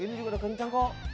ini juga udah kencang kok